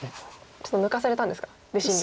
ちょっと抜かされたんですか弟子に。